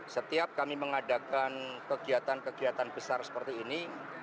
setiap kami mengadakan kegiatan kegiatan besar seperti ini